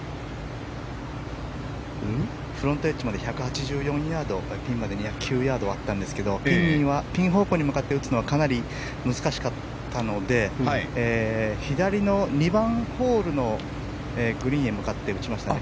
フロントエッジまで１８４ヤードピンまで２０９ヤードあったんですがピン方向に向かって打つのはかなり難しかったので左の２番ホールのグリーンへ向かって打ちましたね。